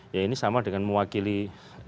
ya ini sama dengan mewakili sepuluh orang kan